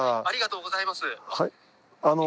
ありがとうございます。